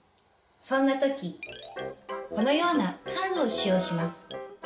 そんな時このようなカードを使用します。